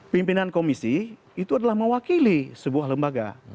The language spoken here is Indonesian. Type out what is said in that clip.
pimpinan komisi itu adalah mewakili sebuah lembaga